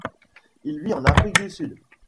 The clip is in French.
Il vit en Afrique du Sud.